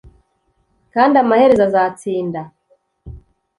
kandi amaherezo azatsinda.